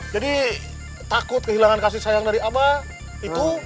jadi takut kehilangan kasih sayang dari abah itu